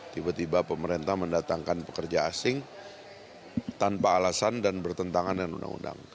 tiba tiba pemerintah mendatangkan pekerja asing tanpa alasan dan bertentangan dengan undang undang